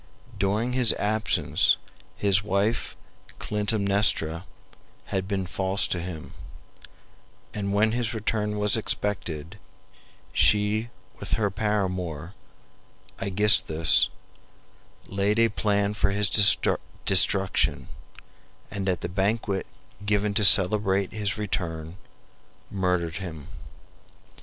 During his absence his wife Clytemnestra had been false to him, and when his return was expected, she with her paramour, Aegisthus, laid a plan for his destruction, and at the banquet given to celebrate his return, murdered him.